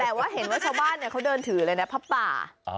แต่ว่าเห็นว่าชาวบ้านเขาเดินถือเลยนะพระป่า